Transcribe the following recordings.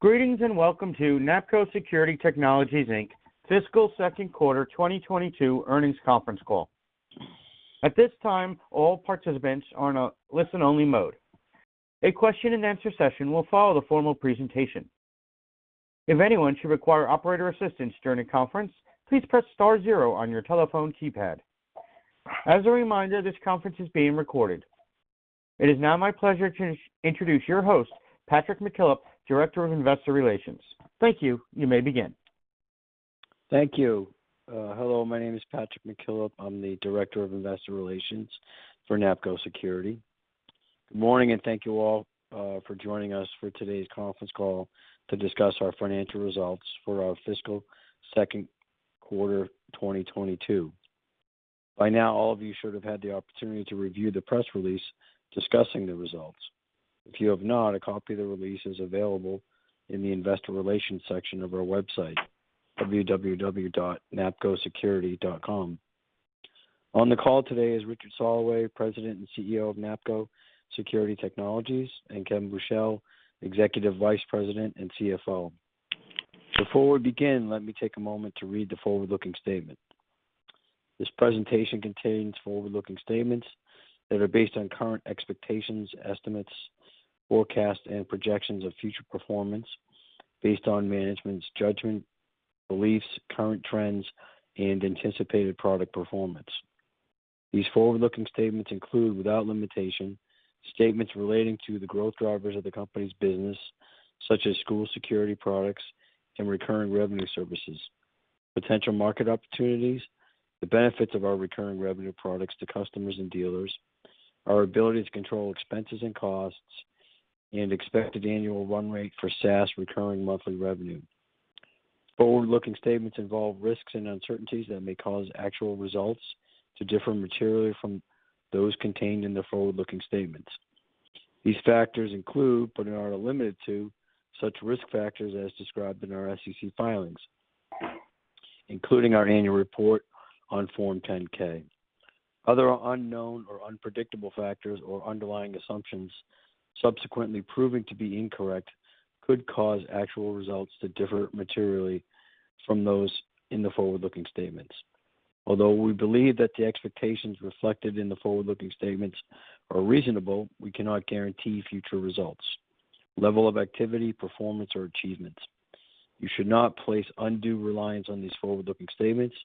Greetings, and welcome to NAPCO Security Technologies, Inc. fiscal second quarter 2022 earnings conference call. At this time, all participants are on a listen-only mode. A question-and-answer session will follow the formal presentation. If anyone should require operator assistance during the conference, please press star zero on your telephone keypad. As a reminder, this conference is being recorded. It is now my pleasure to introduce your host, Patrick McKillop, Director of Investor Relations. Thank you. You may begin. Thank you. Hello, my name is Patrick McKillop. I'm the Director of Investor Relations for NAPCO Security. Good morning, and thank you all for joining us for today's conference call to discuss our financial results for our fiscal second quarter 2022. By now, all of you should have had the opportunity to review the press release discussing the results. If you have not, a copy of the release is available in the investor relations section of our website, www.napcosecurity.com. On the call today is Richard Soloway, President and CEO of NAPCO Security Technologies, and Kevin Buchel, Executive Vice President and CFO. Before we begin, let me take a moment to read the forward-looking statement. This presentation contains forward-looking statements that are based on current expectations, estimates, forecasts, and projections of future performance based on management's judgment, beliefs, current trends, and anticipated product performance. These forward-looking statements include, without limitation, statements relating to the growth drivers of the company's business, such as school security products and recurring revenue services, potential market opportunities, the benefits of our recurring revenue products to customers and dealers, our ability to control expenses and costs, and expected annual run rate for SaaS recurring monthly revenue. Forward-looking statements involve risks and uncertainties that may cause actual results to differ materially from those contained in the forward-looking statements. These factors include, but are not limited to, such risk factors as described in our SEC filings, including our annual report on Form 10-K. Other unknown or unpredictable factors or underlying assumptions subsequently proving to be incorrect could cause actual results to differ materially from those in the forward-looking statements. Although we believe that the expectations reflected in the forward-looking statements are reasonable, we cannot guarantee future results, level of activity, performance, or achievements. You should not place undue reliance on these forward-looking statements.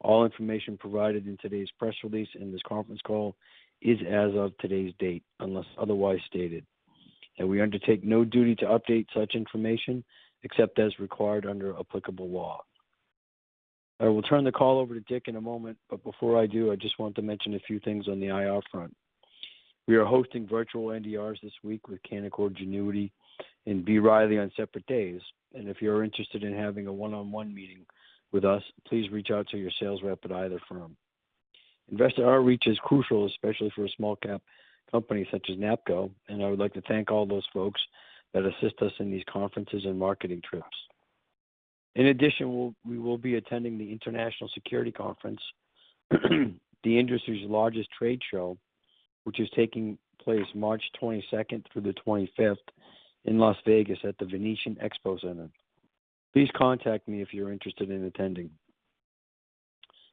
All information provided in today's press release and this conference call is as of today's date, unless otherwise stated, and we undertake no duty to update such information except as required under applicable law. I will turn the call over to Dick in a moment, but before I do, I just want to mention a few things on the IR front. We are hosting virtual NDRs this week with Canaccord Genuity and B. Riley on separate days, and if you're interested in having a one-on-one meeting with us, please reach out to your sales rep at either firm. Investor outreach is crucial, especially for a small cap company such as NAPCO, and I would like to thank all those folks that assist us in these conferences and marketing trips. In addition, we will be attending the International Security Conference, the industry's largest trade show, which is taking place March 22nd through the 25th in Las Vegas at the Venetian Expo Center. Please contact me if you're interested in attending.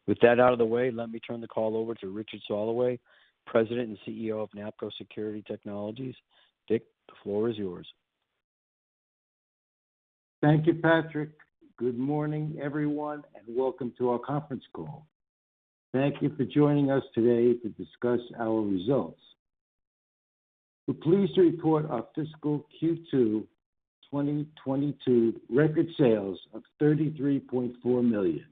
With that out of the way, let me turn the call over to Richard Soloway, President and CEO of NAPCO Security Technologies. Dick, the floor is yours. Thank you, Patrick. Good morning, everyone, and welcome to our conference call. Thank you for joining us today to discuss our results. We're pleased to report our fiscal Q2 2022 record sales of $33.4 million.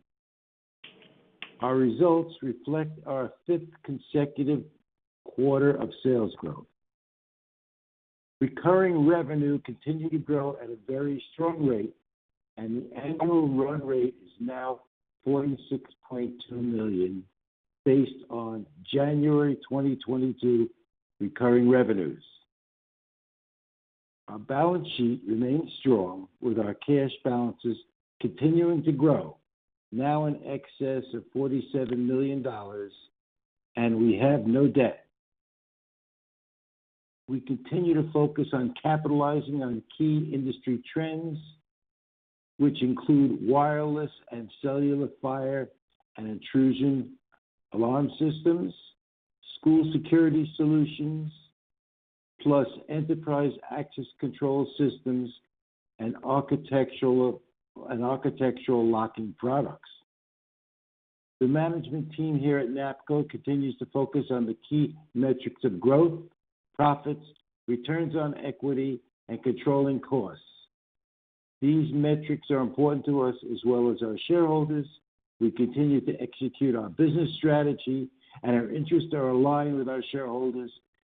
Our results reflect our fifth consecutive quarter of sales growth. Recurring revenue continued to grow at a very strong rate, and the annual run rate is now $46.2 million based on January 2022 recurring revenues. Our balance sheet remains strong, with our cash balances continuing to grow, now in excess of $47 million, and we have no debt. We continue to focus on capitalizing on key industry trends, which include wireless and cellular fire and intrusion alarm systems, school security solutions, plus enterprise access control systems and architectural locking products. The management team here at NAPCO continues to focus on the key metrics of growth, profits, returns on equity, and controlling costs. These metrics are important to us as well as our shareholders. We continue to execute our business strategy, and our interests are aligned with our shareholders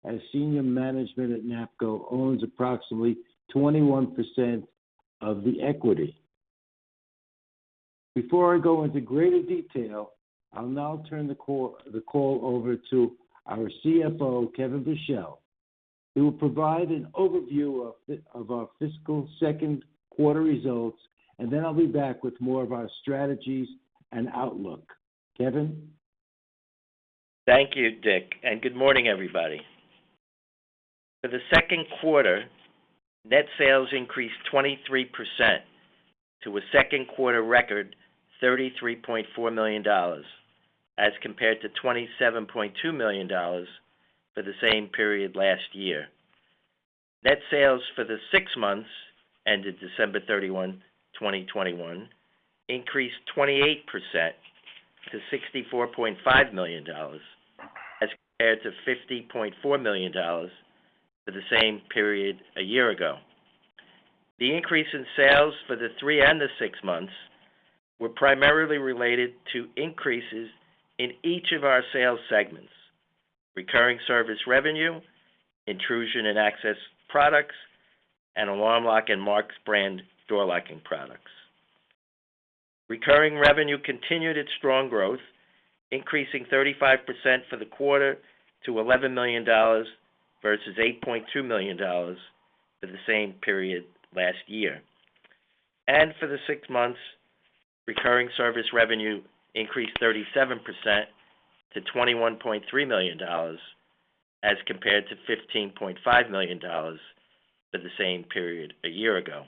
as senior management at NAPCO owns approximately 21% of the equity. Before I go into greater detail, I'll now turn the call over to our CFO, Kevin Buchel, who will provide an overview of our fiscal second quarter results, and then I'll be back with more of our strategies and outlook. Kevin? Thank you, Dick, and good morning, everybody. For the second quarter, net sales increased 23% to a second quarter record $33.4 million, as compared to $27.2 million for the same period last year. Net sales for the six months ended December 31, 2021 increased 28% to $64.5 million as compared to $50.4 million for the same period a year ago. The increase in sales for the three and the six months were primarily related to increases in each of our sales segments, recurring service revenue, intrusion and access products, and Alarm Lock and Marks brand door locking products. Recurring revenue continued its strong growth, increasing 35% for the quarter to $11 million versus $8.2 million for the same period last year. For the six months, recurring service revenue increased 37% to $21.3 million, as compared to $15.5 million for the same period a year ago.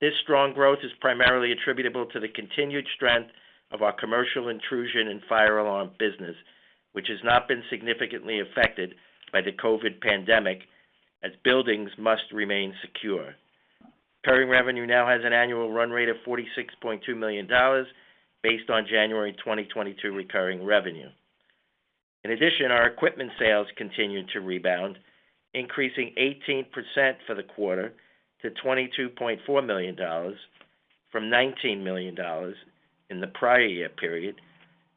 This strong growth is primarily attributable to the continued strength of our commercial intrusion and fire alarm business, which has not been significantly affected by the COVID pandemic as buildings must remain secure. Recurring revenue now has an annual run rate of $46.2 million based on January 2022 recurring revenue. In addition, our equipment sales continued to rebound, increasing 18% for the quarter to $22.4 million from $19 million in the prior year period.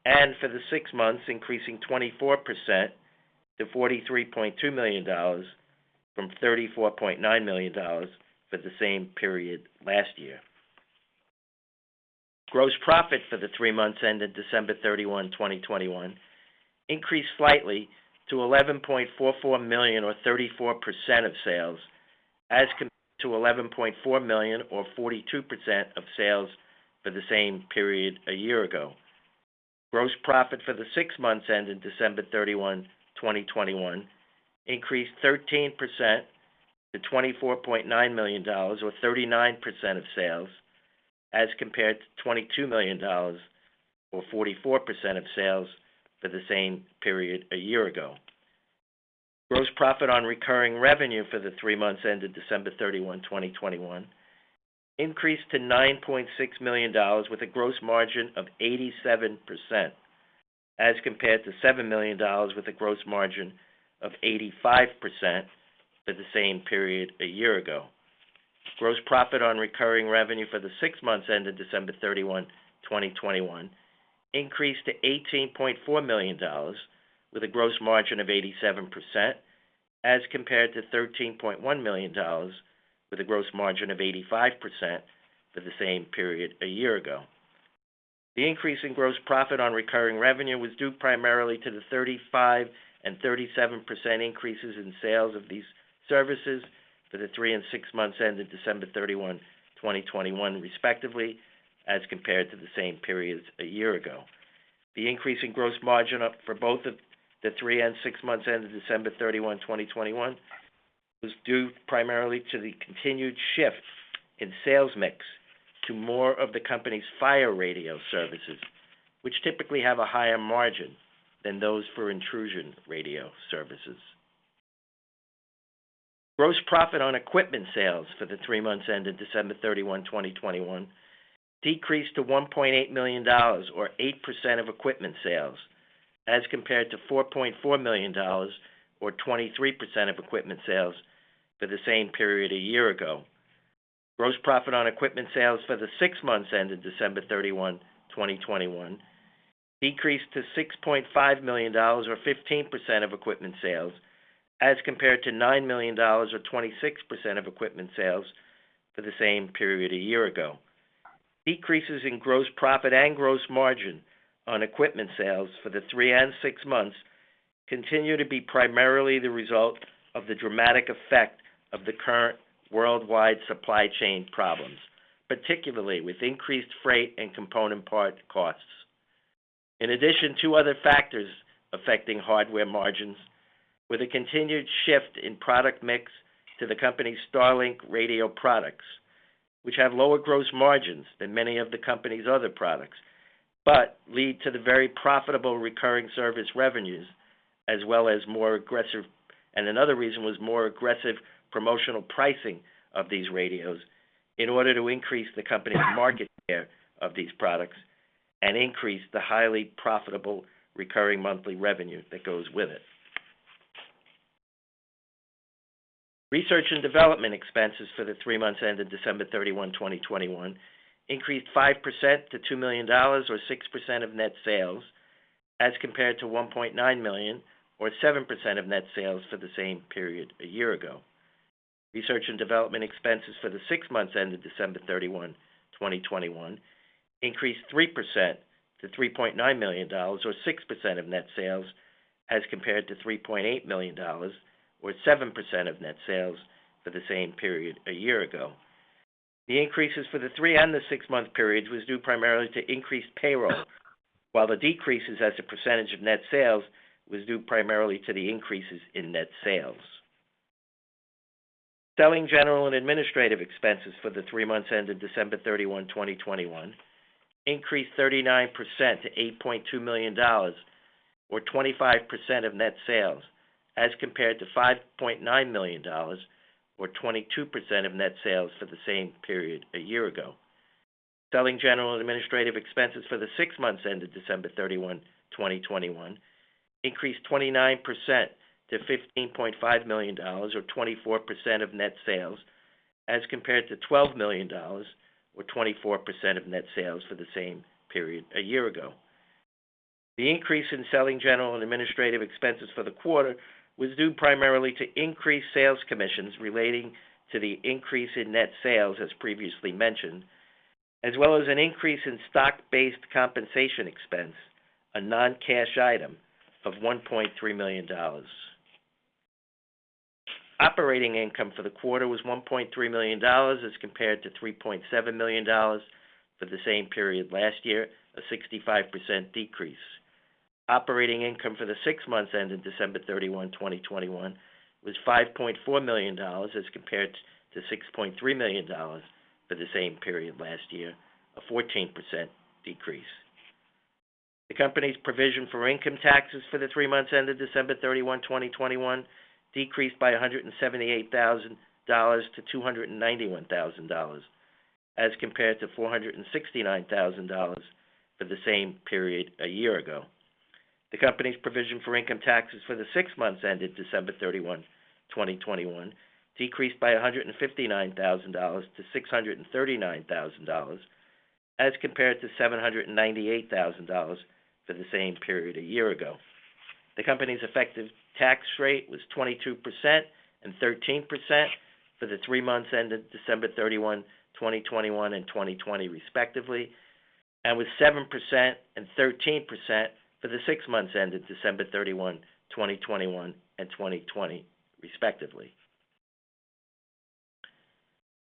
For the six months, increasing 24% to $43.2 million from $34.9 million for the same period last year. Gross profit for the three months ended December 31, 2021 increased slightly to $11.44 million or 34% of sales, as compared to $11.4 million or 42% of sales for the same period a year ago. Gross profit for the six months ended December 31, 2021 increased 13% to $24.9 million or 39% of sales, as compared to $22 million or 44% of sales for the same period a year ago. Gross profit on recurring revenue for the three months ended December 31, 2021 increased to $9.6 million with a gross margin of 87%, as compared to $7 million with a gross margin of 85% for the same period a year ago. Gross profit on recurring revenue for the six months ended December 31, 2021 increased to $18.4 million with a gross margin of 87%, as compared to $13.1 million with a gross margin of 85% for the same period a year ago. The increase in gross profit on recurring revenue was due primarily to the 35% and 37% increases in sales of these services for the three and six months ended December 31, 2021, respectively, as compared to the same periods a year ago. The increase in gross margin up for both of the three and six months ended December 31, 2021 was due primarily to the continued shift in sales mix to more of the company's fire radio services, which typically have a higher margin than those for intrusion radio services. Gross profit on equipment sales for the three months ended December 31, 2021 decreased to $1.8 million or 8% of equipment sales, as compared to $4.4 million or 23% of equipment sales for the same period a year ago. Gross profit on equipment sales for the six months ended December 31, 2021 decreased to $6.5 million or 15% of equipment sales, as compared to $9 million or 26% of equipment sales for the same period a year ago. Decreases in gross profit and gross margin on equipment sales for the three and six months continue to be primarily the result of the dramatic effect of the current worldwide supply chain problems, particularly with increased freight and component part costs. In addition, two other factors affecting hardware margins with a continued shift in product mix to the company's StarLink radio products, which have lower gross margins than many of the company's other products, but lead to the very profitable recurring service revenues as well as more aggressive promotional pricing of these radios in order to increase the company's market share of these products and increase the highly profitable recurring monthly revenue that goes with it. Research and development expenses for the three months ended December 31, 2021 increased 5% to $2 million or 6% of net sales, as compared to $1.9 million or 7% of net sales for the same period a year ago. Research and development expenses for the six months ended December 31, 2021 increased 3% to $3.9 million or 6% of net sales, as compared to $3.8 million or 7% of net sales for the same period a year ago. The increases for the three- and six-month periods was due primarily to increased payroll, while the decreases as a percentage of net sales was due primarily to the increases in net sales. Selling, general, and administrative expenses for the three months ended December 31, 2021 increased 39% to $8.2 million, or 25% of net sales, as compared to $5.9 million or 22% of net sales for the same period a year ago. Selling, general, and administrative expenses for the six months ended December 31, 2021 increased 29% to $15.5 million or 24% of net sales as compared to $12 million or 24% of net sales for the same period a year ago. The increase in selling, general, and administrative expenses for the quarter was due primarily to increased sales commissions relating to the increase in net sales, as previously mentioned, as well as an increase in stock-based compensation expense, a non-cash item of $1.3 million. Operating income for the quarter was $1.3 million as compared to $3.7 million for the same period last year, a 65% decrease. Operating income for the six months ended December 31, 2021 was $5.4 million as compared to $6.3 million for the same period last year, a 14% decrease. The company's provision for income taxes for the three months ended December 31, 2021 decreased by $178,000 to $291,000, as compared to $469,000 for the same period a year ago. The company's provision for income taxes for the six months ended December 31, 2021 decreased by $159,000 to $639,000 as compared to $798,000 for the same period a year ago. The company's effective tax rate was 22% and 13% for the three months ended December 31, 2021, and 2020, respectively, and was 7% and 13% for the six months ended December 31, 2021, and 2020, respectively.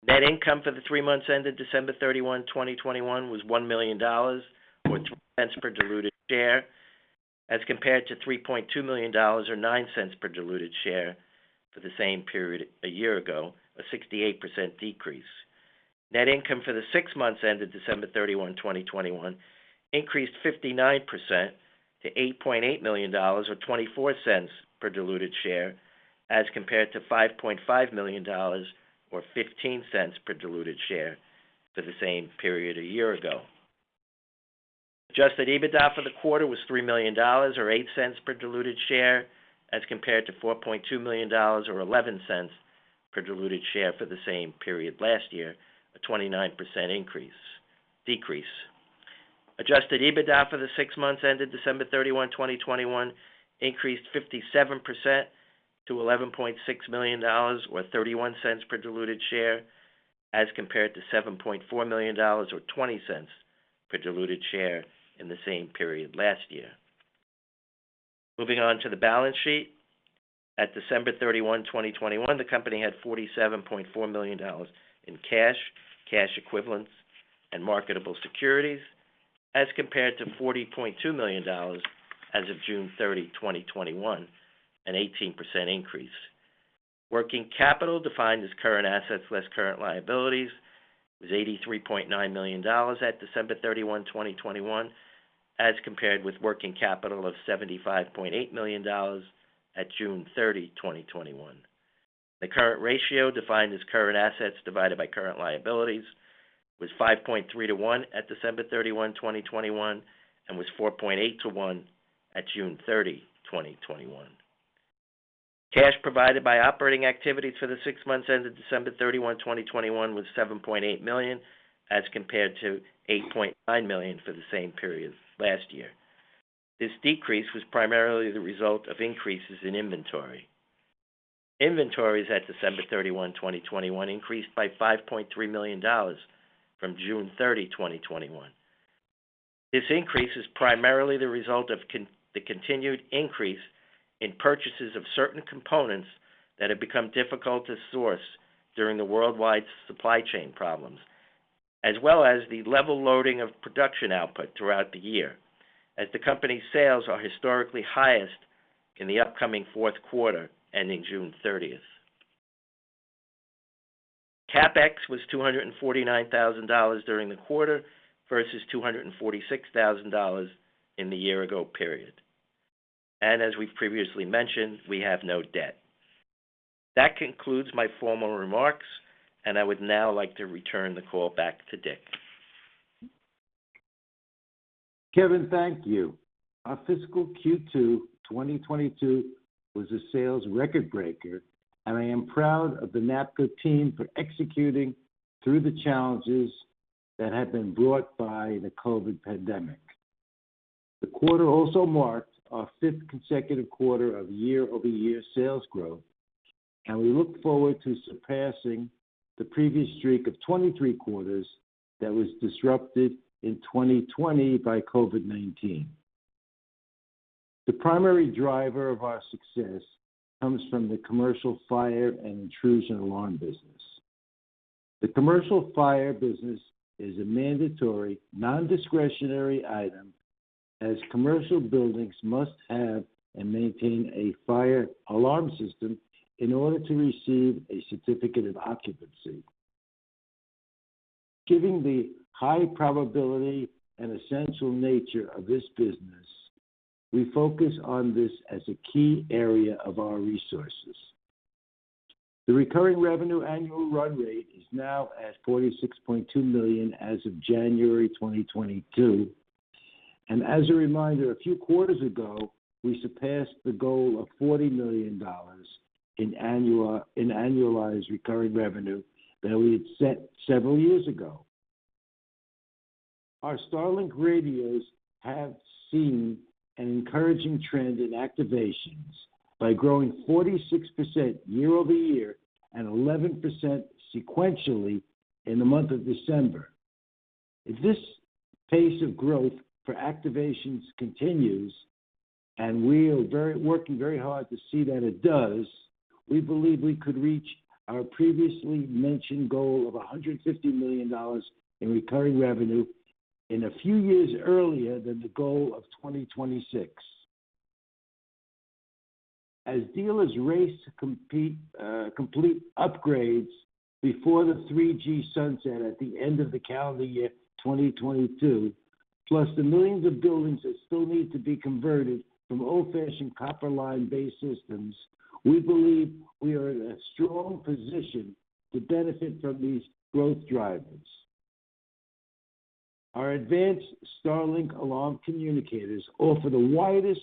Net income for the three months ended December 31, 2021 was $1 million or $0.02 per diluted share, as compared to $3.2 million or $0.09 per diluted share for the same period a year ago, a 68% decrease. Net income for the six months ended December 31, 2021 increased 59% to $8.8 million or $0.24 per diluted share, as compared to $5.5 million or $0.15 per diluted share for the same period a year ago. Adjusted EBITDA for the quarter was $3 million or $0.08 per diluted share, as compared to $4.2 million or $0.11 per diluted share for the same period last year, a 29% decrease. Adjusted EBITDA for the six months ended December 31, 2021 increased 57% to $11.6 million or $0.31 per diluted share, as compared to $7.4 million or $0.20 per diluted share in the same period last year. Moving on to the balance sheet. At December 31, 2021, the company had $47.4 million in cash equivalents, and marketable securities, as compared to $40.2 million as of June 30, 2021, an 18% increase. Working capital defined as current assets less current liabilities was $83.9 million at December 31, 2021, as compared with working capital of $75.8 million at June 30, 2021. The current ratio defined as current assets divided by current liabilities was 5.3:1 at December 31, 2021, and was 4.8:1 at June 30, 2021. Cash provided by operating activities for the six months ended December 31, 2021 was $7.8 million, as compared to $8.9 million for the same period last year. This decrease was primarily the result of increases in inventory. Inventories at December 31, 2021 increased by $5.3 million from June 30, 2021. This increase is primarily the result of the continued increase in purchases of certain components that have become difficult to source during the worldwide supply chain problems, as well as the level loading of production output throughout the year, as the company's sales are historically highest in the upcoming fourth quarter, ending June 30th. CapEx was $249,000 during the quarter versus $246,000 in the year ago period. As we've previously mentioned, we have no debt. That concludes my formal remarks, and I would now like to return the call back to Dick. Kevin, thank you. Our fiscal Q2 2022 was a sales record breaker, and I am proud of the NAPCO team for executing through the challenges that have been brought by the COVID pandemic. The quarter also marked our fifth consecutive quarter of year-over-year sales growth, and we look forward to surpassing the previous streak of 23 quarters that was disrupted in 2020 by COVID-19. The primary driver of our success comes from the commercial fire and intrusion alarm business. The commercial fire business is a mandatory, non-discretionary item as commercial buildings must have and maintain a fire alarm system in order to receive a certificate of occupancy. Given the high probability and essential nature of this business, we focus on this as a key area of our resources. The recurring revenue annual run rate is now at $46.2 million as of January 2022. As a reminder, a few quarters ago, we surpassed the goal of $40 million in annualized recurring revenue that we had set several years ago. Our StarLink radios have seen an encouraging trend in activations by growing 46% year-over-year and 11% sequentially in the month of December. If this pace of growth for activations continues, and we are working very hard to see that it does, we believe we could reach our previously mentioned goal of $150 million in recurring revenue in a few years earlier than the goal of 2026. As dealers race to compete, complete upgrades before the 3G sunset at the end of the calendar year 2022, plus the millions of buildings that still need to be converted from old-fashioned copper line-based systems, we believe we are in a strong position to benefit from these growth drivers. Our advanced StarLink alarm communicators offer the widest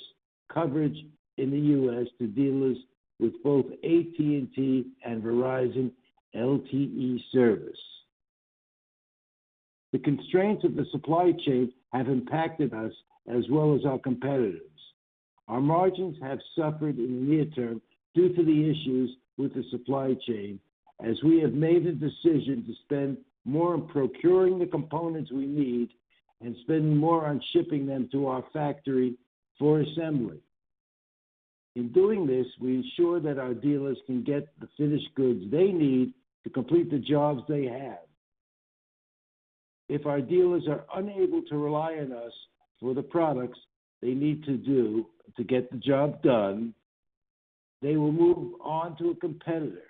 coverage in the U.S. to dealers with both AT&T and Verizon LTE service. The constraints of the supply chain have impacted us as well as our competitors. Our margins have suffered in the near term due to the issues with the supply chain, as we have made the decision to spend more on procuring the components we need and spend more on shipping them to our factory for assembly. In doing this, we ensure that our dealers can get the finished goods they need to complete the jobs they have. If our dealers are unable to rely on us for the products they need to do to get the job done, they will move on to a competitor.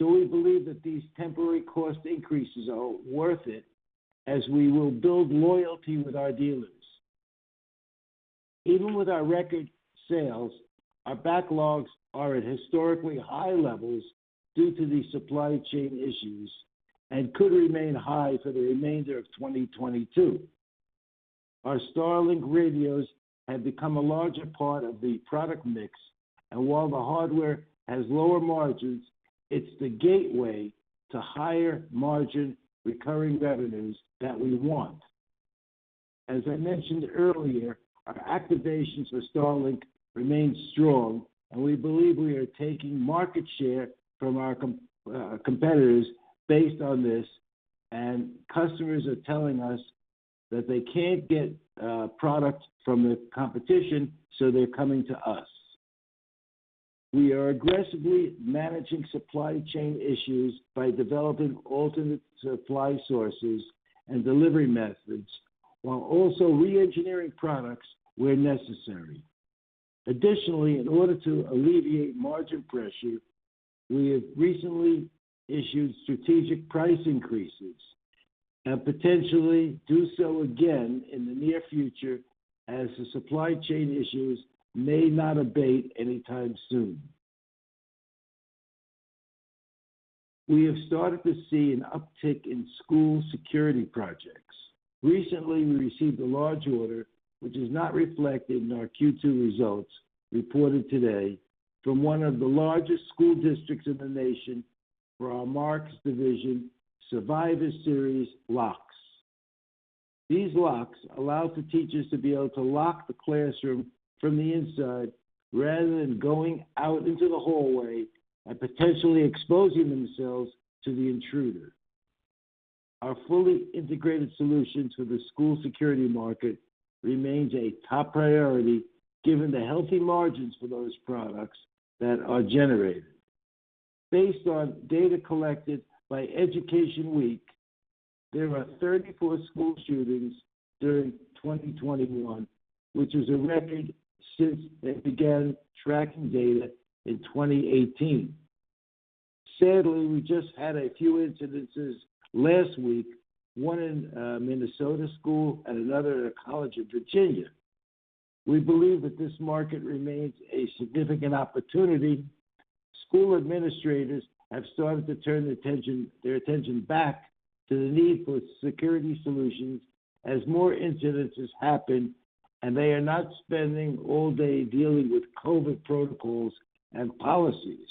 We believe that these temporary cost increases are worth it as we will build loyalty with our dealers. Even with our record sales, our backlogs are at historically high levels due to the supply chain issues and could remain high for the remainder of 2022. Our StarLink radios have become a larger part of the product mix, and while the hardware has lower margins, it's the gateway to higher margin recurring revenues that we want. As I mentioned earlier, our activations for StarLink remain strong, and we believe we are taking market share from our competitors based on this, and customers are telling us that they can't get product from the competition, so they're coming to us. We are aggressively managing supply chain issues by developing alternate supply sources and delivery methods while also reengineering products where necessary. Additionally, in order to alleviate margin pressure, we have recently issued strategic price increases and potentially do so again in the near future as the supply chain issues may not abate anytime soon. We have started to see an uptick in school security projects. Recently, we received a large order, which is not reflected in our Q2 results reported today, from one of the largest school districts in the nation for our Marks USA division Survivor Series locks. These locks allow for teachers to be able to lock the classroom from the inside rather than going out into the hallway and potentially exposing themselves to the intruder. Our fully integrated solution to the school security market remains a top priority given the healthy margins for those products that are generated. Based on data collected by Education Week, there were 34 school shootings during 2021, which is a record since they began tracking data in 2018. Sadly, we just had a few incidents last week, one in a Minnesota school and another at a college in Virginia. We believe that this market remains a significant opportunity. School administrators have started to turn their attention back to the need for security solutions as more incidents happen, and they are not spending all day dealing with COVID protocols and policies.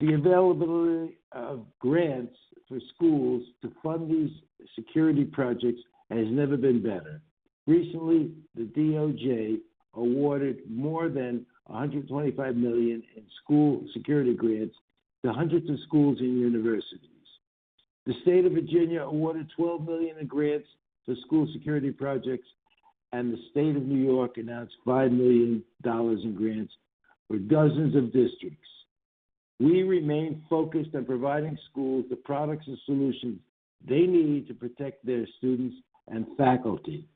The availability of grants for schools to fund these security projects has never been better. Recently, the DOJ awarded more than $125 million in school security grants to hundreds of schools and universities. The state of Virginia awarded $12 million in grants to school security projects, and the state of New York announced $5 million in grants for dozens of districts. We remain focused on providing schools the products and solutions they need to protect their students and faculty.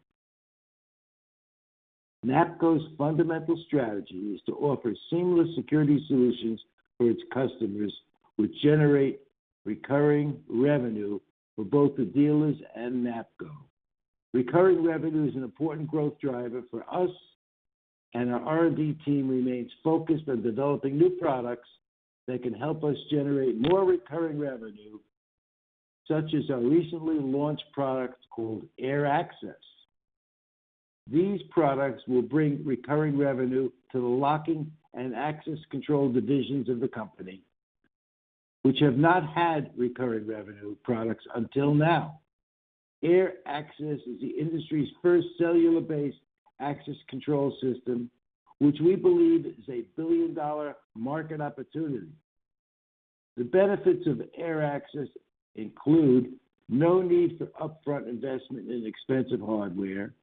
NAPCO's fundamental strategy is to offer seamless security solutions for its customers, which generate recurring revenue for both the dealers and NAPCO. Recurring revenue is an important growth driver for us, and our R&D team remains focused on developing new products that can help us generate more recurring revenue, such as our recently launched product called AirAccess. These products will bring recurring revenue to the locking and access control divisions of the company, which have not had recurring revenue products until now. AirAccess is the industry's first cellular-based access control system, which we believe is a billion-dollar market opportunity. The benefits of AirAccess include no need for upfront investment in expensive hardware,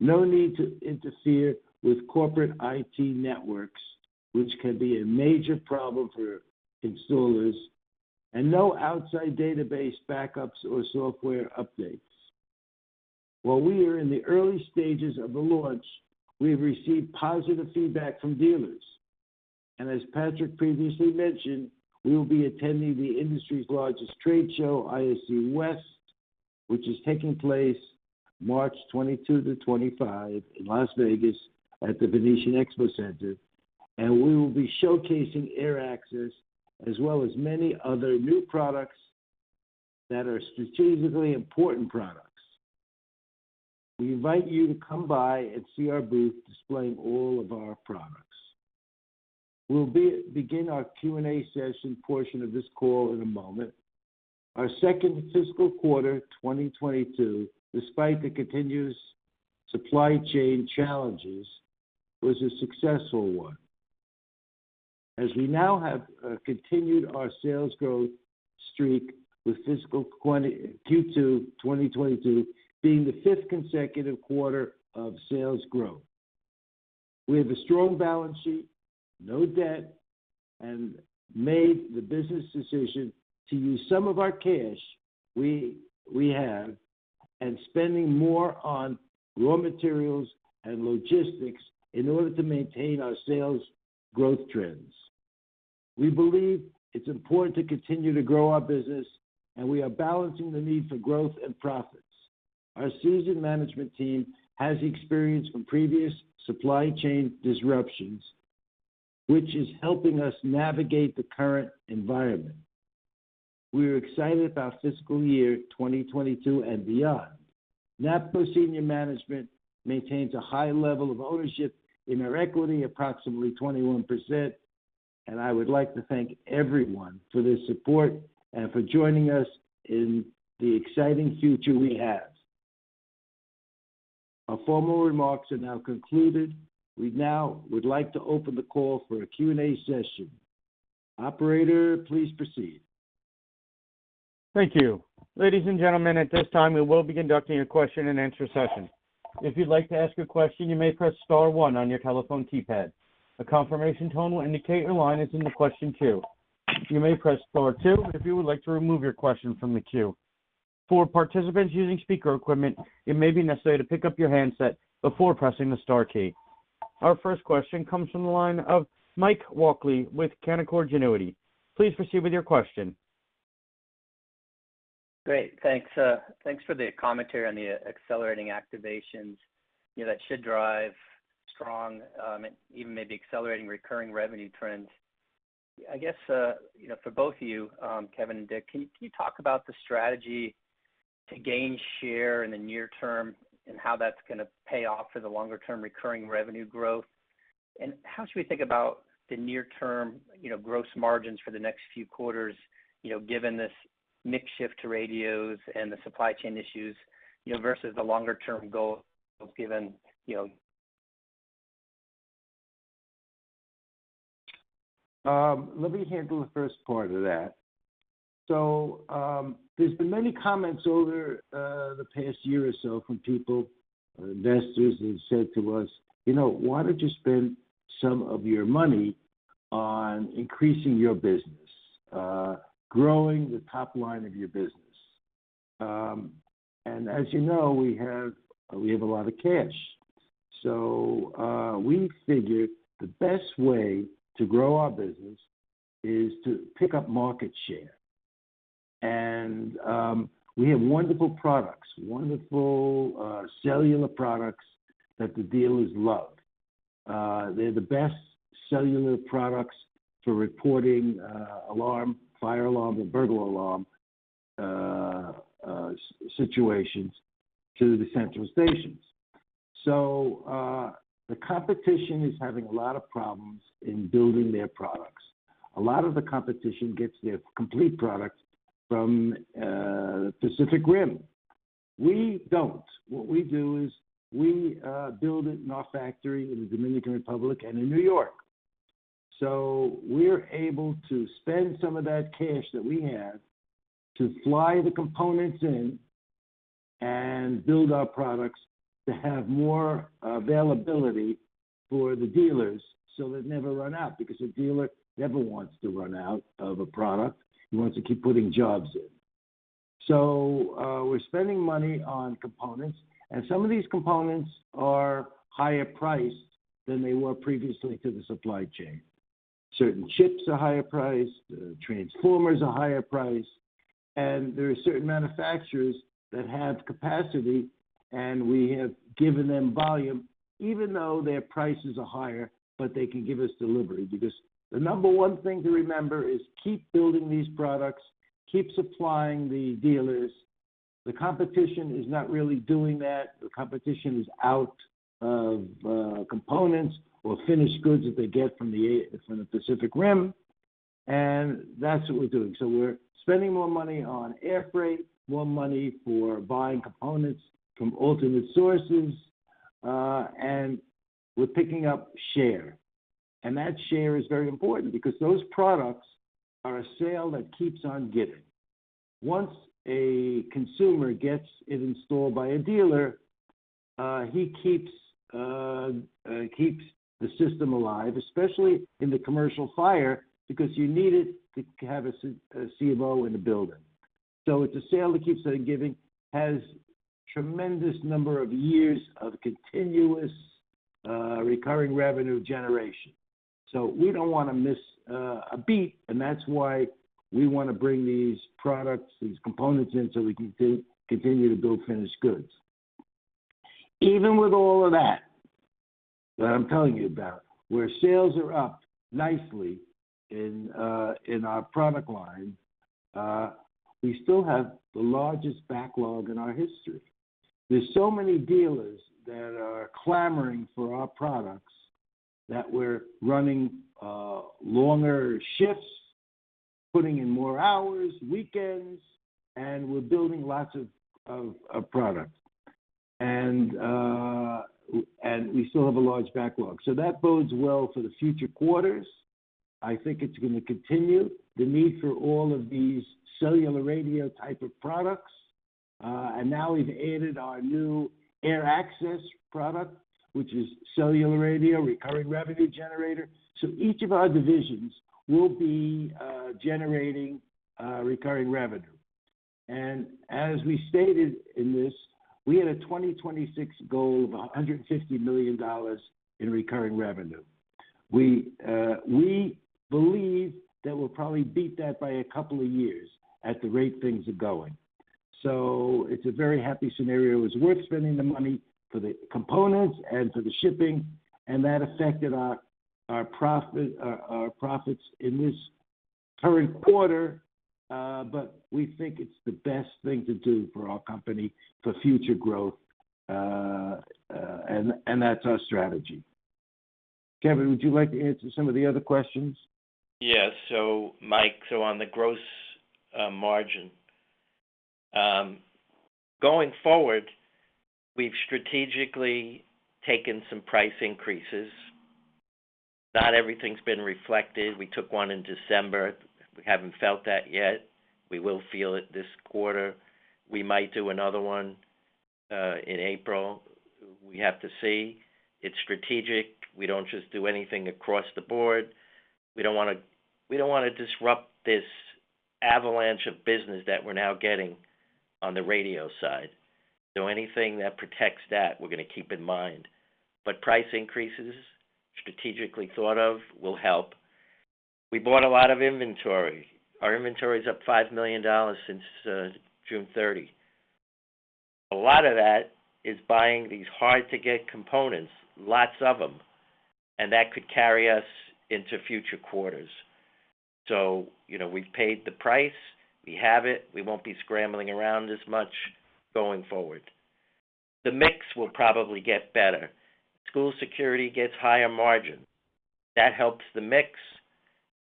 no need to interfere with corporate IT networks, which can be a major problem for installers, and no outside database backups or software updates. While we are in the early stages of the launch, we have received positive feedback from dealers. As Patrick previously mentioned, we will be attending the industry's largest trade show, ISC West, which is taking place March 22-25 in Las Vegas at the Venetian Expo Center, and we will be showcasing AirAccess as well as many other new products that are strategically important products. We invite you to come by and see our booth displaying all of our products. We'll begin our Q&A session portion of this call in a moment. Our second fiscal quarter 2022, despite the continuous supply chain challenges, was a successful one, as we have continued our sales growth streak with fiscal Q2 2022 being the fifth consecutive quarter of sales growth. We have a strong balance sheet, no debt, and made the business decision to use some of our cash we have and spending more on raw materials and logistics in order to maintain our sales growth trends. We believe it's important to continue to grow our business, and we are balancing the need for growth and profits. Our seasoned management team has experience from previous supply chain disruptions, which is helping us navigate the current environment. We are excited about fiscal year 2022 and beyond. NAPCO senior management maintains a high level of ownership in our equity, approximately 21%, and I would like to thank everyone for their support and for joining us in the exciting future we have. Our formal remarks are now concluded. We now would like to open the call for a Q&A session. Operator, please proceed. Thank you. Ladies and gentlemen, at this time, we will be conducting a question-and-answer session. If you'd like to ask a question, you may press star one on your telephone keypad. A confirmation tone will indicate your line is in the question queue. You may press star two if you would like to remove your question from the queue. For participants using speaker equipment, it may be necessary to pick up your handset before pressing the star key. Our first question comes from the line of Mike Walkley with Canaccord Genuity. Please proceed with your question. Great. Thanks, thanks for the commentary on the accelerating activations. You know, that should drive strong, even maybe accelerating recurring revenue trends. I guess, you know, for both of you, Kevin and Dick, can you talk about the strategy to gain share in the near term and how that's gonna pay off for the longer-term recurring revenue growth? And how should we think about the near-term, you know, gross margins for the next few quarters, you know, given this mix shift to radios and the supply chain issues, you know, versus the longer-term goal given, you know? Let me handle the first part of that. There's been many comments over the past year or so from people, investors, who said to us, "You know, why don't you spend some of your money on increasing your business, growing the top line of your business?" As you know, we have a lot of cash. We figured the best way to grow our business is to pick up market share. We have wonderful products, cellular products that the dealers love. They're the best cellular products for reporting alarm, fire alarm or burglar alarm situations to the central stations. The competition is having a lot of problems in building their products. A lot of the competition gets their complete product from Pacific Rim. We don't. What we do is we build it in our factory in the Dominican Republic and in New York. We're able to spend some of that cash that we have to fly the components in and build our products to have more availability for the dealers, so they never run out, because a dealer never wants to run out of a product. He wants to keep putting jobs in. We're spending money on components, and some of these components are higher priced than they were previously through the supply chain. Certain chips are higher priced, transformers are higher priced, and there are certain manufacturers that have capacity, and we have given them volume even though their prices are higher, but they can give us delivery. Because the number one thing to remember is keep building these products, keep supplying the dealers. The competition is not really doing that. The competition is out of components or finished goods that they get from the Pacific Rim, and that's what we're doing. We're spending more money on airfreight, more money for buying components from alternate sources, and we're picking up share. That share is very important because those products are a sale that keeps on giving. Once a consumer gets it installed by a dealer, he keeps the system alive, especially in the commercial fire, because you need it to have a C of O in the building. It's a sale that keeps on giving, has a tremendous number of years of continuous recurring revenue generation. We don't wanna miss a beat, and that's why we wanna bring these products, these components in, so we can continue to build finished goods. Even with all of that that I'm telling you about, where sales are up nicely in our product line, we still have the largest backlog in our history. There are so many dealers that are clamoring for our products that we're running longer shifts, putting in more hours, weekends, and we're building lots of products. We still have a large backlog. That bodes well for the future quarters. I think it's gonna continue, the need for all of these cellular radio type of products. Now we've added our new AirAccess product, which is cellular radio, recurring revenue generator. Each of our divisions will be generating recurring revenue. As we stated in this, we had a 2026 goal of $150 million in recurring revenue. We believe that we'll probably beat that by a couple of years at the rate things are going. It's a very happy scenario. It's worth spending the money for the components and for the shipping, and that affected our profits in this current quarter, but we think it's the best thing to do for our company for future growth. That's our strategy. Kevin, would you like to answer some of the other questions? Yes. Mike, on the gross margin going forward, we've strategically taken some price increases. Not everything's been reflected. We took one in December. We haven't felt that yet. We will feel it this quarter. We might do another one in April. We have to see. It's strategic. We don't just do anything across the board. We don't wanna disrupt this avalanche of business that we're now getting on the radio side. Anything that protects that, we're gonna keep in mind. But price increases, strategically thought of, will help. We bought a lot of inventory. Our inventory is up $5 million since June 30. A lot of that is buying these hard-to-get components, lots of them, and that could carry us into future quarters. You know, we've paid the price. We have it. We won't be scrambling around as much going forward. The mix will probably get better. School security gets higher margin. That helps the mix,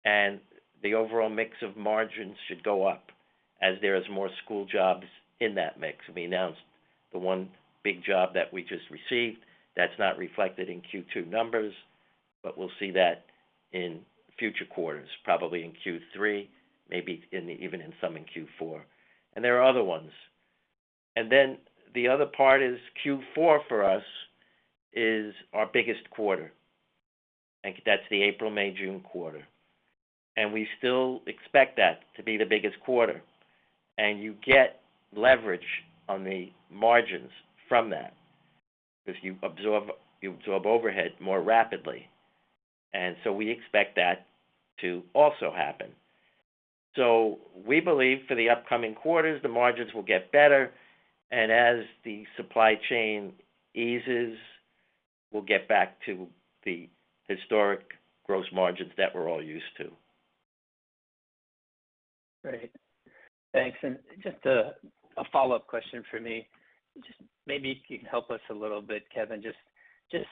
and the overall mix of margins should go up as there is more school jobs in that mix. We announced the one big job that we just received. That's not reflected in Q2 numbers, but we'll see that in future quarters, probably in Q3, maybe even in some Q4. There are other ones. The other part is Q4 for us is our biggest quarter. That's the April-May-June quarter. We still expect that to be the biggest quarter. You get leverage on the margins from that 'cause you absorb overhead more rapidly. We believe for the upcoming quarters, the margins will get better. As the supply chain eases, we'll get back to the historic gross margins that we're all used to. Great. Thanks. Just a follow-up question for me. Just maybe if you can help us a little bit, Kevin, just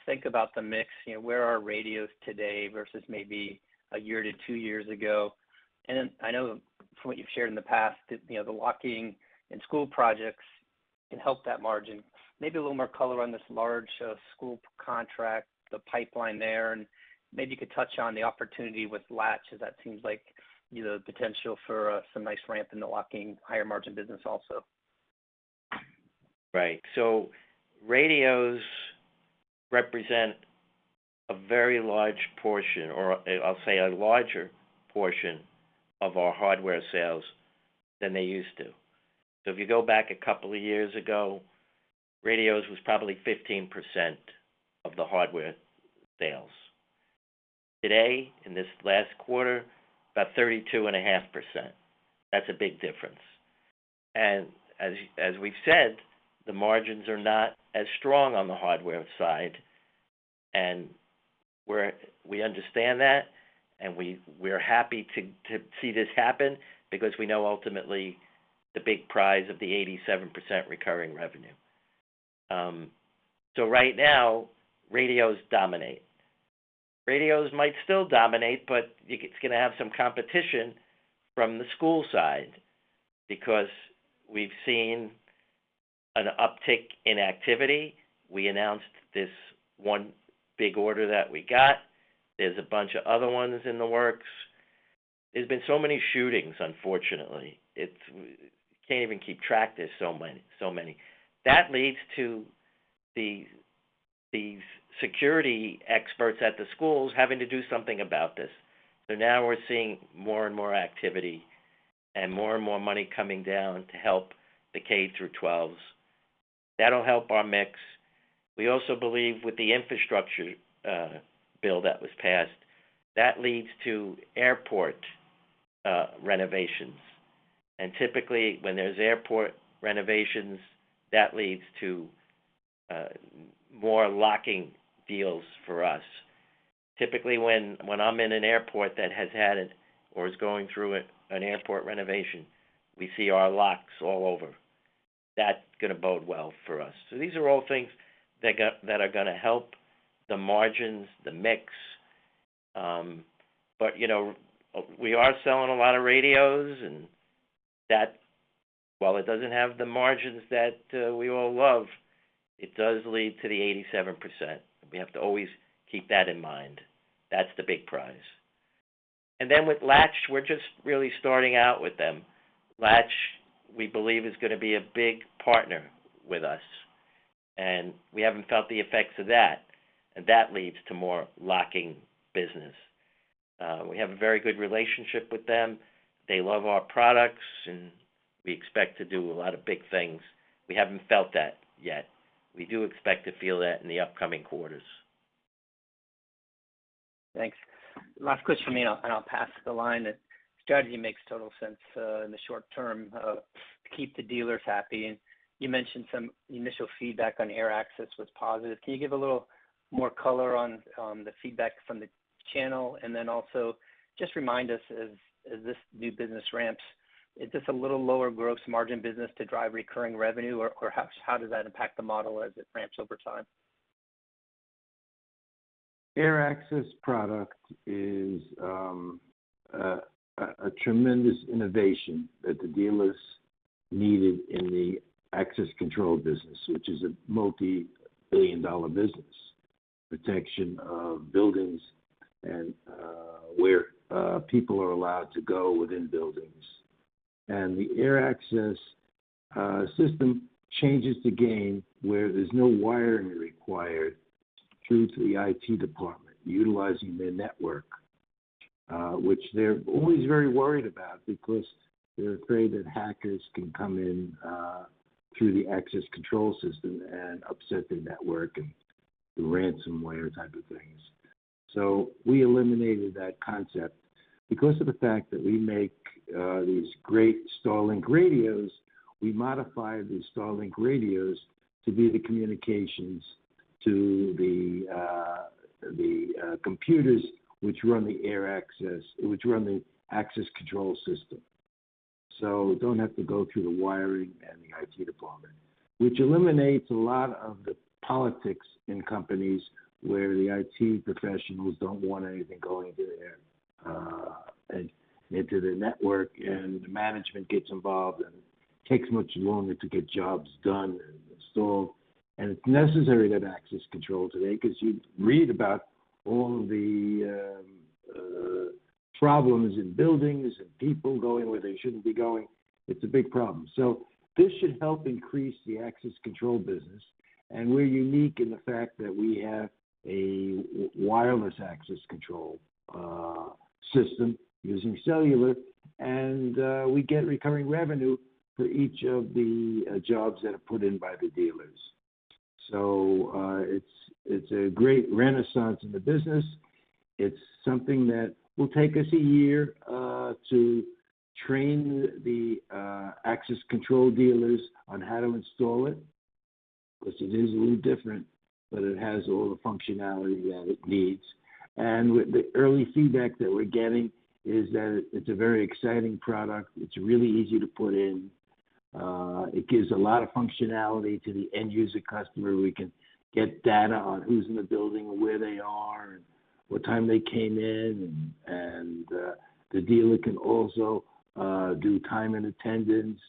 think about the mix, you know, where are radios today versus maybe a year to two years ago? Then I know from what you've shared in the past that, you know, the locking and school projects can help that margin. Maybe a little more color on this large school contract, the pipeline there, and maybe you could touch on the opportunity with Latch, 'cause that seems like, you know, potential for some nice ramp in the locking higher margin business also. Right. Radios represent a very large portion, or I'll say a larger portion of our hardware sales than they used to. If you go back a couple of years ago, radios was probably 15% of the hardware sales. Today, in this last quarter, about 32.5%. That's a big difference. As we've said, the margins are not as strong on the hardware side, and we understand that, and we're happy to see this happen because we know ultimately the big prize of the 87% recurring revenue. Right now, radios dominate. Radios might still dominate, but it's gonna have some competition from the school side because we've seen an uptick in activity. We announced this one big order that we got. There's a bunch of other ones in the works. There's been so many shootings, unfortunately. You can't even keep track, there's so many. That leads to the security experts at the schools having to do something about this. Now we're seeing more and more activity and more and more money coming down to help the K-12s. That'll help our mix. We also believe with the infrastructure bill that was passed, that leads to airport renovations. Typically, when there's airport renovations, that leads to more locking deals for us. Typically, when I'm in an airport that has had it or is going through it, an airport renovation, we see our locks all over. That's gonna bode well for us. These are all things that are gonna help the margins, the mix. You know, we are selling a lot of radios, and that, while it doesn't have the margins that we all love, it does lead to the 87%. We have to always keep that in mind. That's the big prize. Then with Latch, we're just really starting out with them. Latch, we believe, is gonna be a big partner with us, and we haven't felt the effects of that. That leads to more locking business. We have a very good relationship with them. They love our products, and we expect to do a lot of big things. We haven't felt that yet. We do expect to feel that in the upcoming quarters. Thanks. Last question for me, and I'll pass the line. The strategy makes total sense in the short term to keep the dealers happy. You mentioned some initial feedback on AirAccess was positive. Can you give a little more color on the feedback from the channel? Also, just remind us as this new business ramps, is this a little lower gross margin business to drive recurring revenue, or how does that impact the model as it ramps over time? AirAccess product is a tremendous innovation that the dealers needed in the access control business, which is a multi-billion dollar business, protection of buildings and where people are allowed to go within buildings. The AirAccess system changes the game where there's no wiring required through to the IT department utilizing their network, which they're always very worried about because they're afraid that hackers can come in through the access control system and upset their network and the ransomware type of things. We eliminated that concept. Because of the fact that we make these great StarLink radios, we modified the StarLink radios to be the communications to the computers which run the AirAccess, which run the access control system. Don't have to go through the wiring and the IT department, which eliminates a lot of the politics in companies where the IT professionals don't want anything going into their network, and the management gets involved, and it takes much longer to get jobs done and installed. It's necessary to have access control today 'cause you read about all the problems in buildings and people going where they shouldn't be going. It's a big problem. This should help increase the access control business, and we're unique in the fact that we have a wireless access control system using cellular, and we get recurring revenue for each of the jobs that are put in by the dealers. It's a great renaissance in the business. It's something that will take us a year to train the access control dealers on how to install it 'cause it is a little different, but it has all the functionality that it needs. With the early feedback that we're getting is that it's a very exciting product. It's really easy to put in. It gives a lot of functionality to the end user customer. We can get data on who's in the building and where they are and what time they came in, and the dealer can also do time and attendance.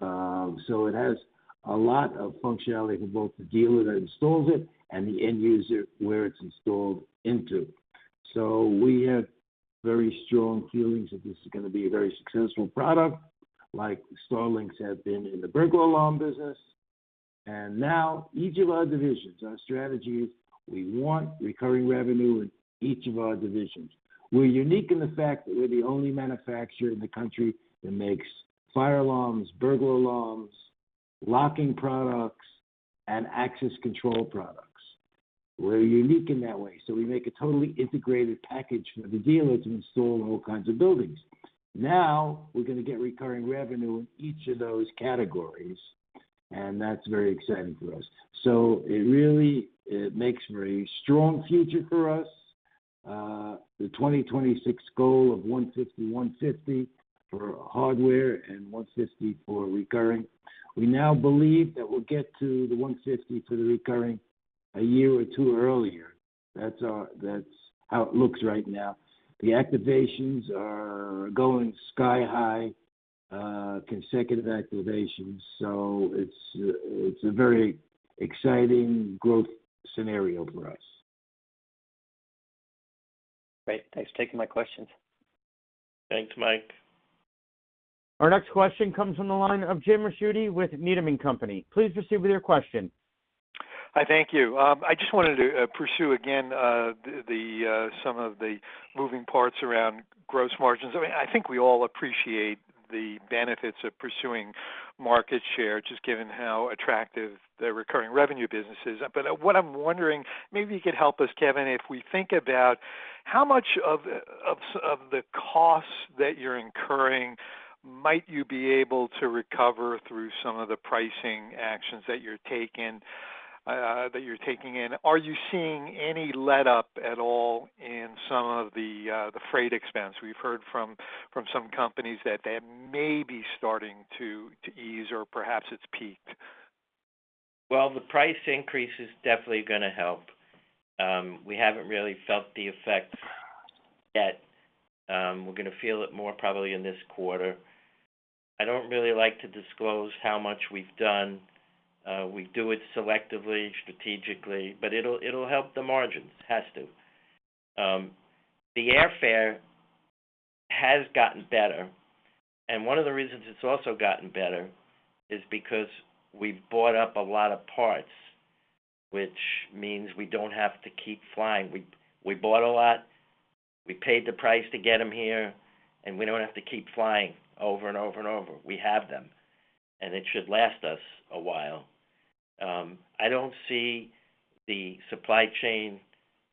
It has a lot of functionality for both the dealer that installs it and the end user where it's installed into. We have very strong feelings that this is gonna be a very successful product, like StarLink has been in the burglar alarm business. Now each of our divisions, our strategy is we want recurring revenue in each of our divisions. We're unique in the fact that we're the only manufacturer in the country that makes fire alarms, burglar alarms, locking products, and access control products. We're unique in that way, so we make a totally integrated package for the dealers who install in all kinds of buildings. Now, we're gonna get recurring revenue in each of those categories, and that's very exciting for us. It really makes for a strong future for us. The 2026 goal of $150 million, $150 million for hardware and $150 million for recurring. We now believe that we'll get to the $150 million for the recurring a year or two earlier. That's how it looks right now. The activations are going sky high, consecutive activations. It's a very exciting growth scenario for us. Great. Thanks for taking my questions. Thanks, Mike. Our next question comes from the line of Jim Ricchiuti with Needham & Company. Please proceed with your question. Hi. Thank you. I just wanted to pursue again some of the moving parts around gross margins. I mean, I think we all appreciate the benefits of pursuing market share, just given how attractive the recurring revenue business is. What I'm wondering, maybe you could help us, Kevin, if we think about how much of the costs that you're incurring might you be able to recover through some of the pricing actions that you're taking in? Are you seeing any letup at all in some of the freight expense? We've heard from some companies that they may be starting to ease or perhaps it's peaked. Well, the price increase is definitely gonna help. We haven't really felt the effects yet. We're gonna feel it more probably in this quarter. I don't really like to disclose how much we've done. We do it selectively, strategically, but it'll help the margins. It has to. The airfare has gotten better, and one of the reasons it's also gotten better is because we've bought up a lot of parts, which means we don't have to keep flying. We bought a lot, we paid the price to get them here, and we don't have to keep flying over and over and over. We have them, and it should last us a while. I don't see the supply chain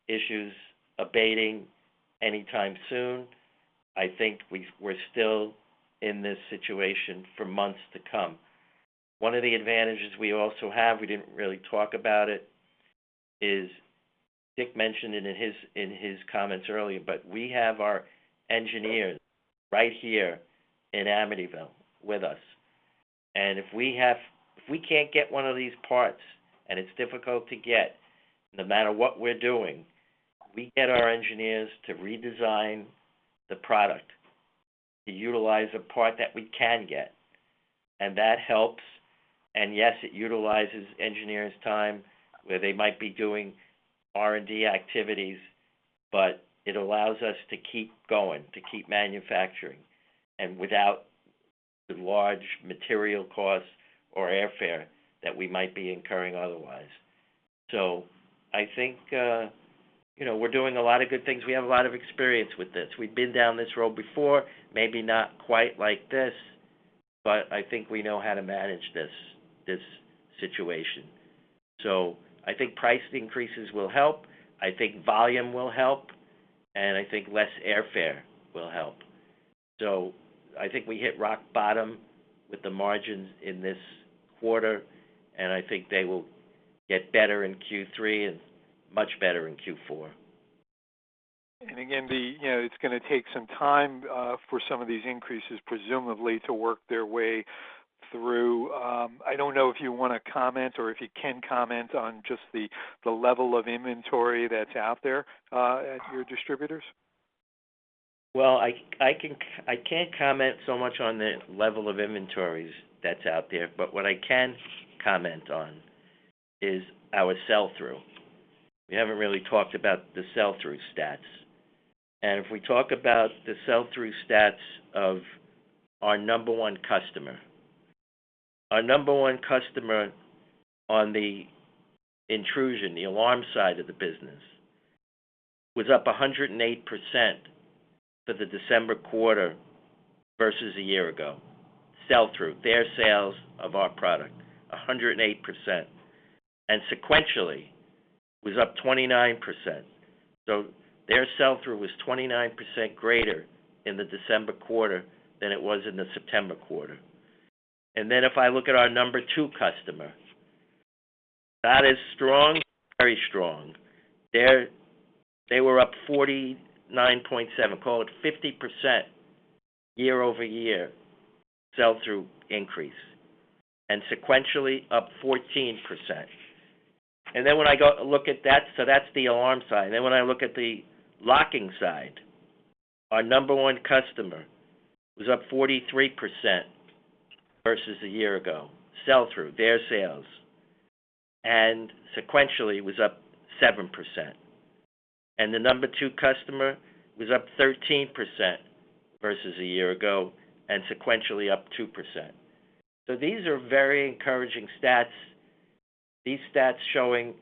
issues abating anytime soon. I think we're still in this situation for months to come. One of the advantages we also have, we didn't really talk about it, is Dick mentioned it in his comments earlier, but we have our engineers right here in Amityville with us. If we can't get one of these parts, and it's difficult to get, no matter what we're doing, we get our engineers to redesign the product to utilize a part that we can get, and that helps. Yes, it utilizes engineers' time where they might be doing R&D activities, but it allows us to keep going, to keep manufacturing, and without the large material costs or airfare that we might be incurring otherwise. I think, you know, we're doing a lot of good things. We have a lot of experience with this. We've been down this road before, maybe not quite like this, but I think we know how to manage this situation. I think price increases will help, I think volume will help, and I think less airfare will help. I think we hit rock bottom with the margins in this quarter, and I think they will get better in Q3 and much better in Q4. You know, it's gonna take some time for some of these increases presumably to work their way through. I don't know if you wanna comment or if you can comment on just the level of inventory that's out there at your distributors. Well, I can't comment so much on the level of inventories that's out there, but what I can comment on is our sell-through. We haven't really talked about the sell-through stats. If we talk about the sell-through stats of our number one customer, our number one customer on the intrusion, the alarm side of the business, was up 108% for the December quarter versus a year ago. Sell-through, their sales of our product, 108%. Sequentially, it was up 29%. Their sell-through was 29% greater in the December quarter than it was in the September quarter. If I look at our number two customer, not as strong, very strong. They were up 49.7%, call it 50%. Year-over-year sell-through increase and sequentially up 14%. When I go look at that, so that's the alarm side. When I look at the locking side, our number one customer was up 43% versus a year ago, sell-through, their sales. Sequentially was up 7%. The number two customer was up 13% versus a year ago, and sequentially up 2%. These are very encouraging stats. These stats showing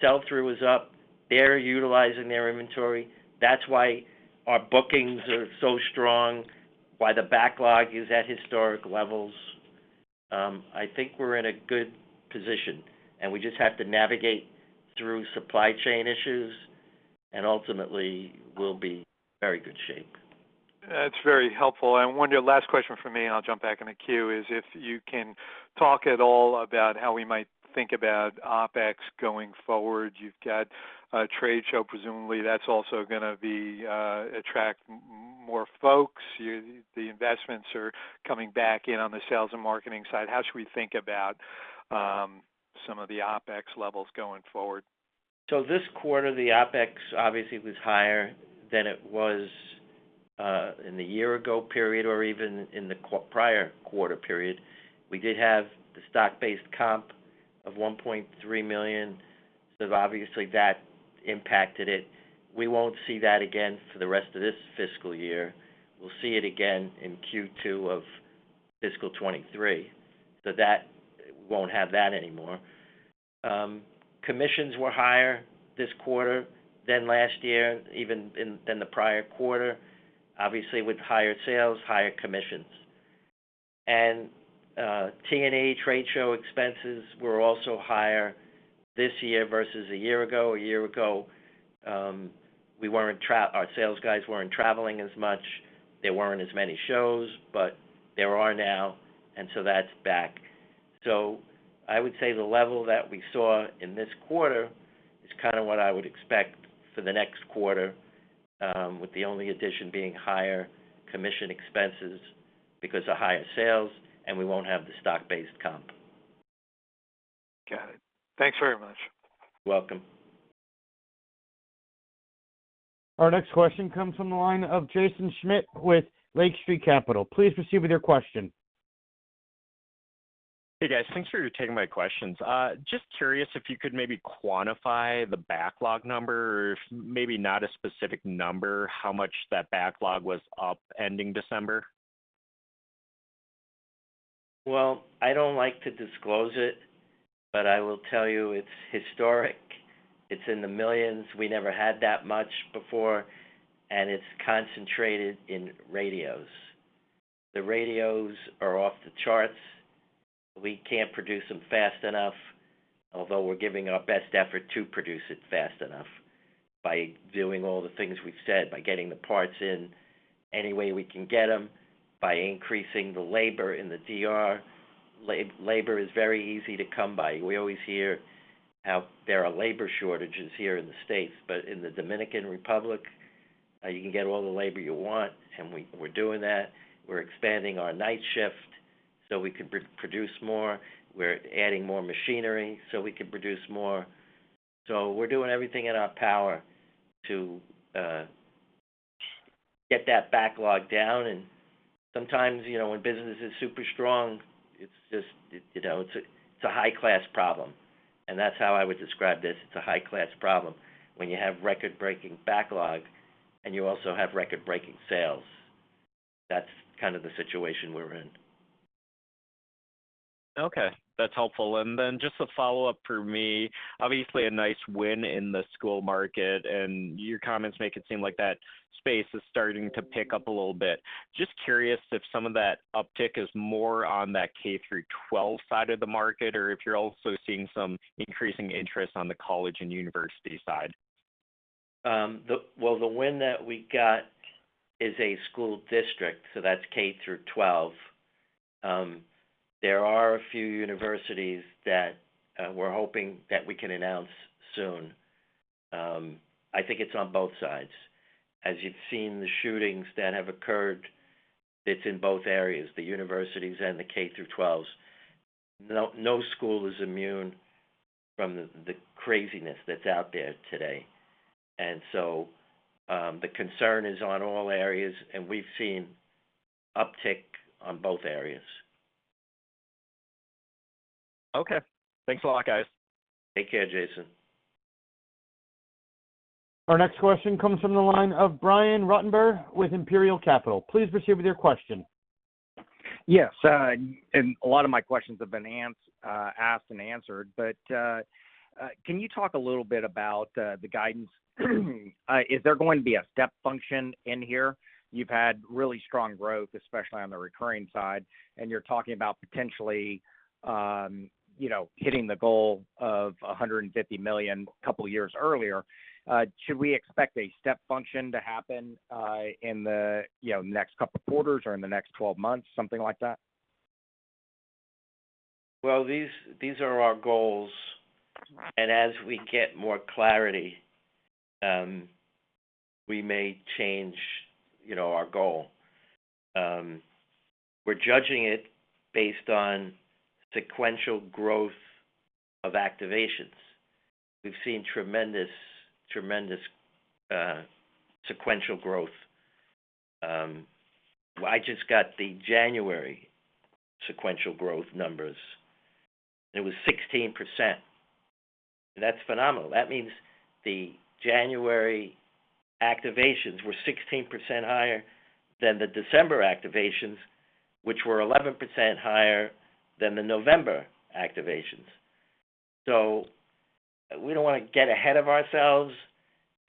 sell-through is up. They're utilizing their inventory. That's why our bookings are so strong, why the backlog is at historic levels. I think we're in a good position, and we just have to navigate through supply chain issues, and ultimately we'll be very good shape. That's very helpful. One last question from me, and I'll jump back in the queue, is if you can talk at all about how we might think about OpEx going forward. You've got a trade show, presumably that's also gonna be attract more folks. The investments are coming back in on the sales and marketing side. How should we think about some of the OpEx levels going forward? This quarter, the OpEx obviously was higher than it was in the year ago period or even in the prior quarter period. We did have the stock-based comp of $1.3 million. Obviously that impacted it. We won't see that again for the rest of this fiscal year. We'll see it again in Q2 of fiscal 2023. That won't have that anymore. Commissions were higher this quarter than last year, even than the prior quarter. Obviously, with higher sales, higher commissions. T&E trade show expenses were also higher this year versus a year ago. A year ago, our sales guys weren't traveling as much. There weren't as many shows, but there are now, and so that's back. I would say the level that we saw in this quarter is kinda what I would expect for the next quarter, with the only addition being higher commission expenses because of higher sales, and we won't have the stock-based comp. Got it. Thanks very much. You're welcome. Our next question comes from the line of Jaeson Schmidt with Lake Street Capital. Please proceed with your question. Hey, guys. Thanks for taking my questions. Just curious if you could maybe quantify the backlog number, or if maybe not a specific number, how much that backlog was up ending December. Well, I don't like to disclose it, but I will tell you it's historic. It's in the millions. We never had that much before, and it's concentrated in radios. The radios are off the charts. We can't produce them fast enough, although we're giving our best effort to produce it fast enough by doing all the things we've said, by getting the parts in any way we can get them, by increasing the labor in the DR. Labor is very easy to come by. We always hear how there are labor shortages here in the States, but in the Dominican Republic, you can get all the labor you want, and we're doing that. We're expanding our night shift so we can produce more. We're adding more machinery so we can produce more. We're doing everything in our power to get that backlog down. Sometimes, you know, when business is super strong, it's just, you know, it's a high-class problem, and that's how I would describe this. It's a high-class problem. When you have record-breaking backlog and you also have record-breaking sales, that's kind of the situation we're in. Okay, that's helpful. Just a follow-up for me. Obviously, a nice win in the school market, and your comments make it seem like that space is starting to pick up a little bit. Just curious if some of that uptick is more on that K-twelve side of the market, or if you're also seeing some increasing interest on the college and university side? The win that we got is a school district, so that's K-12. There are a few universities that we're hoping that we can announce soon. I think it's on both sides. As you've seen the shootings that have occurred, it's in both areas, the universities and the K-12s. No, no school is immune from the craziness that's out there today. The concern is on all areas, and we've seen uptick on both areas. Okay. Thanks a lot, guys. Take care, Jaeson. Our next question comes from the line of Brian Ruttenbur with Imperial Capital. Please proceed with your question. Yes. A lot of my questions have been asked and answered. Can you talk a little bit about the guidance? Is there going to be a step function in here? You've had really strong growth, especially on the recurring side, and you're talking about potentially, you know, hitting the goal of $150 million a couple years earlier. Should we expect a step function to happen in the, you know, next couple quarters or in the next 12 months, something like that? Well, these are our goals, and as we get more clarity, we may change, you know, our goal. We're judging it based on sequential growth of activations. We've seen tremendous sequential growth. I just got the January sequential growth numbers, and it was 16%. That's phenomenal. That means the January activations were 16% higher than the December activations, which were 11% higher than the November activations. We don't wanna get ahead of ourselves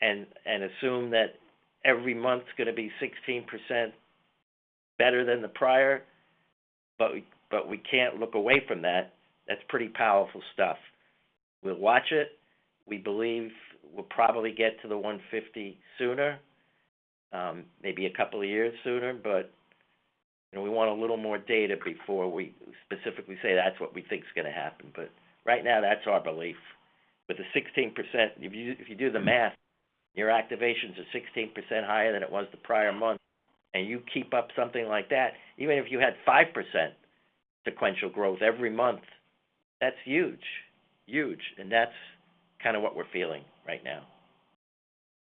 and assume that every month's gonna be 16% better than the prior, but we can't look away from that. That's pretty powerful stuff. We'll watch it. We believe we'll probably get to the 150 sooner, maybe a couple of years sooner, but, you know, we want a little more data before we specifically say that's what we think is gonna happen. Right now, that's our belief. The 16%, if you, if you do the math, your activations are 16% higher than it was the prior month. You keep up something like that, even if you had 5% sequential growth every month, that's huge. Huge. That's kinda what we're feeling right now.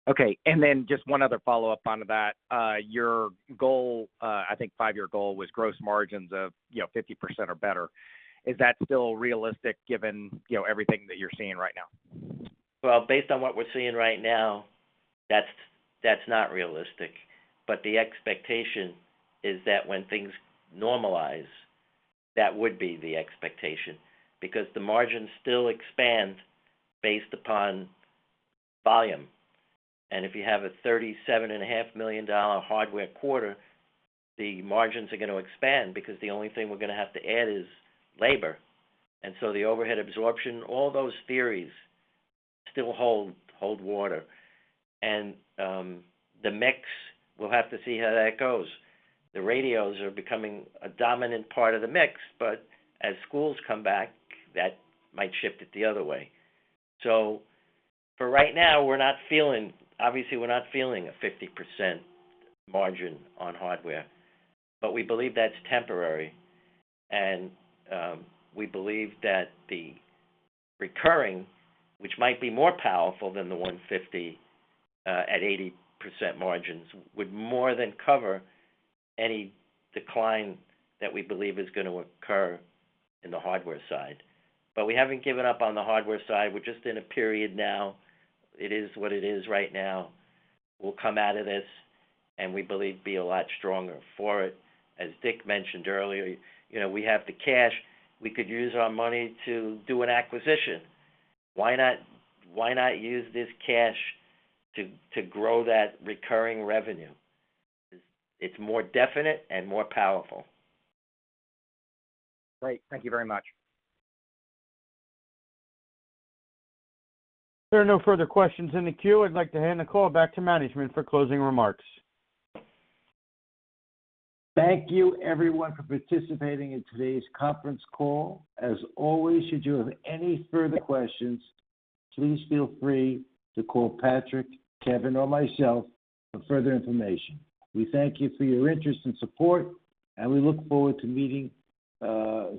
Okay. Then just one other follow-up onto that. Your goal, I think five-year goal was gross margins of, you know, 50% or better. Is that still realistic given, you know, everything that you're seeing right now? Well, based on what we're seeing right now, that's not realistic. The expectation is that when things normalize, that would be the expectation because the margins still expand based upon volume. If you have a $37.5 million hardware quarter, the margins are gonna expand because the only thing we're gonna have to add is labor. The overhead absorption, all those theories still hold water. The mix, we'll have to see how that goes. The radios are becoming a dominant part of the mix, but as schools come back, that might shift it the other way. For right now, we're not feeling a 50% margin on hardware, but we believe that's temporary. We believe that the recurring, which might be more powerful than the 150 at 80% margins, would more than cover any decline that we believe is gonna occur in the hardware side. We haven't given up on the hardware side. We're just in a period now. It is what it is right now. We'll come out of this, and we believe be a lot stronger for it. As Dick mentioned earlier, you know, we have the cash. We could use our money to do an acquisition. Why not use this cash to grow that recurring revenue? It's more definite and more powerful. Great. Thank you very much. There are no further questions in the queue. I'd like to hand the call back to management for closing remarks. Thank you everyone for participating in today's conference call. As always, should you have any further questions, please feel free to call Patrick, Kevin, or myself for further information. We thank you for your interest and support, and we look forward to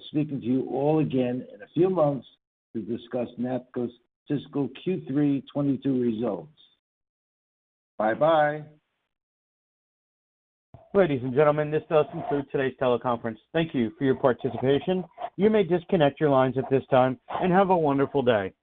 speaking to you all again in a few months to discuss NAPCO's fiscal Q3 2022 results. Bye-bye. Ladies and gentlemen, this does conclude today's teleconference. Thank you for your participation. You may disconnect your lines at this time, and have a wonderful day.